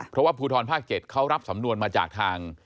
เพราะว่าภูทรภาค๗เขารับสำนวนมาจากทาง